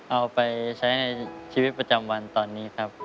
เอาไปใช้ในชีวิตประจำวันตอนนี้ครับ